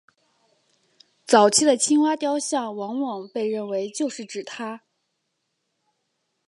早期的青蛙雕像往往被认为就是指她。